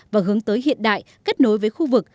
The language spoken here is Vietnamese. và hướng tới hiện đại kết nối với khu vực